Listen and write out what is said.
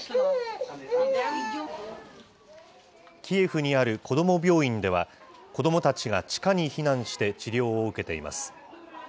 キエフにある子ども病院では、子どもたちが地下に避難して治療を受けています。